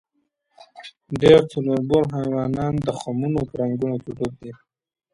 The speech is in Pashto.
ډېر څلوربول حیوانان د خمونو په رنګونو کې ډوب دي.